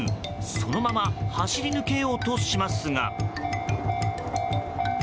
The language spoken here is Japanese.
そのまま走り抜けようとしますが。